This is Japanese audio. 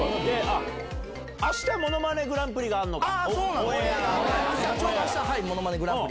あしたものまねグランプリがあるのか。